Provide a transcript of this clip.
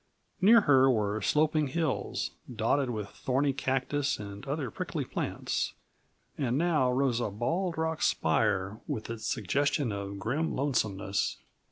Near her were sloping hills, dotted with thorny cactus and other prickly plants, and now rose a bald rock spire with its suggestion of grim lonesomeness.